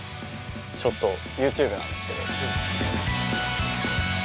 ちょっとＹｏｕＴｕｂｅなんですけど。